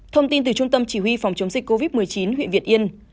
thông tin từ trung tâm chỉ huy phòng chống dịch covid một mươi chín huyện việt yên